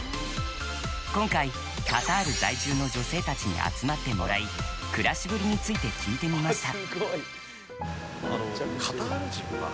今回、カタール在住の女性たちに集まってもらい暮らしぶりについて聞いてみました。